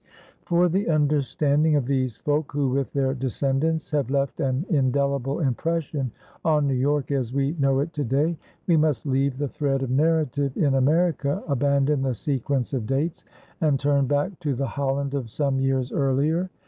For the understanding of these folk, who, with their descendants, have left an indelible impression on New York as we know it today, we must leave the thread of narrative in America, abandon the sequence of dates, and turn back to the Holland of some years earlier.